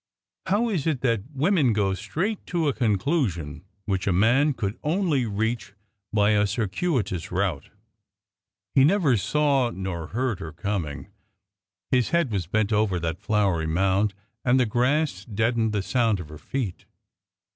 How is it that women go straight to a conclusion which a man could only reach by a circuitous route? He neither saw nor heard her coming. His head was bent over that flowery mound, and the grass deadened the sound of her feet.